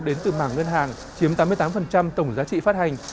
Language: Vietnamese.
đến từ mảng ngân hàng chiếm tám mươi tám tổng giá trị phát hành